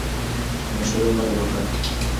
د مشورو قدر وکړئ.